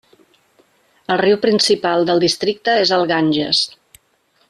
El riu principal del districte és el Ganges.